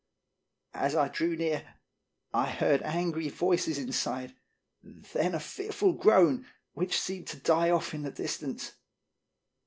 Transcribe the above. As I drew near, I heard angry voices inside, then a fearful groan, which seemed to die off in the distance.